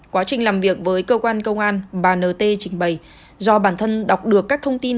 quá trình làm việc với cơ quan công an bà nt trình bày do bản thân đọc được các thông tin